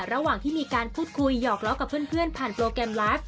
ระหว่างที่มีการพูดคุยหยอกล้อกับเพื่อนผ่านโปรแกรมไลฟ์